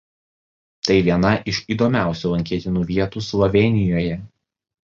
Tai viena iš įdomiausių lankytinų vietų Slovėnijoje.